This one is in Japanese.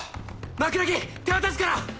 枕木手渡すから！